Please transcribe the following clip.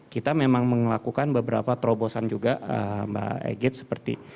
kita memang melakukan beberapa terobosan juga mbak eget seperti